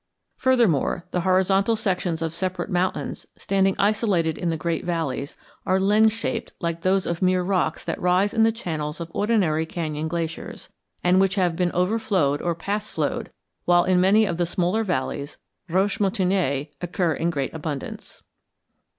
Furthermore, the horizontal sections of separate mountains, standing isolated in the great valleys, are lens shaped like those of mere rocks that rise in the channels of ordinary cañon glaciers, and which have been overflowed or pastflowed, while in many of the smaller valleys roches moutonnées occur in great abundance.